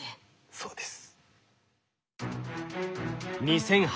そうです。